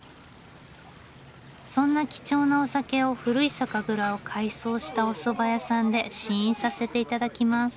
そんな貴重なお酒を古い酒蔵を改装したおそば屋さんで試飲させて頂きます。